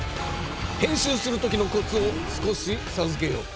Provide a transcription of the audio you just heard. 編集するときのコツを少しさずけよう。